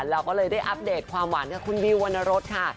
เราก็เลยได้อัปเดตความหวานกับคุณวิววรรณรสค่ะ